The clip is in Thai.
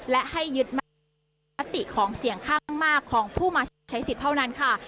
และให้ยึดมติของเสียงข้างมากของผู้มาใช้สิทธิ์เท่านั้นค่ะ